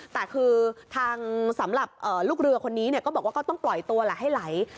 แต่คือทางสำหรับลูกเรือคนนี้ก็บอกว่าก็ต้องปล่อยตัวแหละให้ไหล